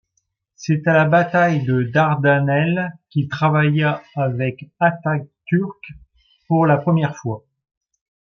C'est à la bataille de Dardanelles qu'il travailla avec Atatürk pour la première fois.